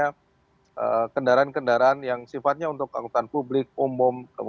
p zdebelan yang terus disumpulkan justrinya pend honongerem mengambil knowledge data